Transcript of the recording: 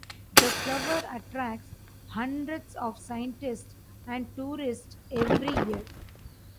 The flower attracts hundreds of scientists and tourists every year.